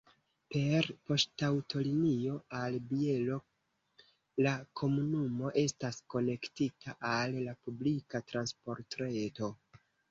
Per poŝtaŭtolinio al Bielo la komunumo estas konektita al la publika transportreto.